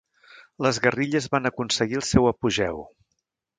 Les guerrilles van aconseguir el seu apogeu.